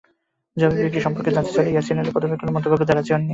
জমি বিক্রি সম্পর্কে জানতে চাইলে ইয়াছিন আলী প্রথমে কোনো মন্তব্য করতে রাজি হননি।